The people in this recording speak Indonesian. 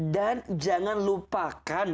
dan jangan lupakan